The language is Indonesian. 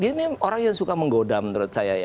dia ini orang yang suka menggodam menurut saya ya